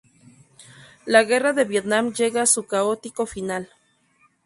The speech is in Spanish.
La guerra de Vietnam llega a su caótico final.